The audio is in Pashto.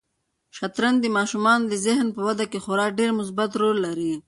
شطرنج د ماشومانو د ذهن په وده کې خورا ډېر مثبت رول لري.